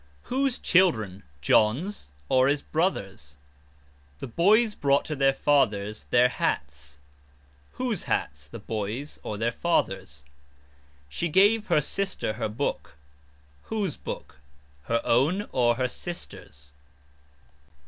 Whose children, John's or his brother's? "The boys brought to their fathers their hats." Whose hats, the boys' or their fathers'? "She gave her sister her book." Whose book? Her own or her sister's?